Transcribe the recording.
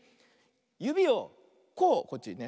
ゆびをこうこっちにね。